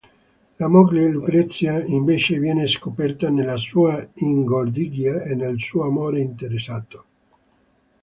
La moglie Lucrezia invece viene scoperta nella sua ingordigia e nel suo amore interessato.